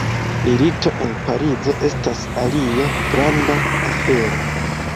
Milito en Parizo estas alia granda afero.